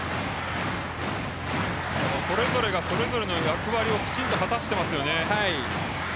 それぞれがそれぞれの役割をきちんと果たしていますよね。